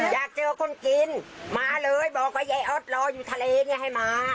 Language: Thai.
อยากเจอคนกินมาเลยบอกว่าอ๊อตลออยู่ทะเลให้มา